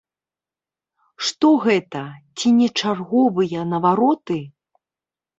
Што гэта, ці не чарговыя навароты?